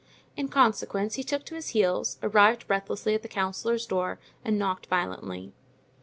In consequence he took to his heels, arrived breathlessly at the councillor's door, and knocked violently.